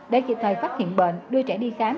để kịp thời phát hiện bệnh đưa trẻ đi khám